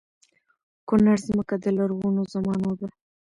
کونړ ځمکه د لرغونو زمانو ده